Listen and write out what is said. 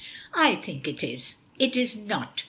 "I think it is." "It is not.